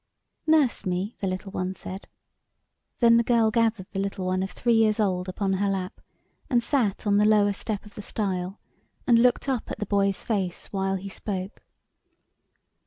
"Nurse me," the little one said. Then the girl gathered the little one of three years old upon her lap, and sat on the lower step of the stile, and looked up at the boy's face while he spoke.